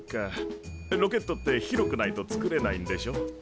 ロケットって広くないと作れないんでしょ？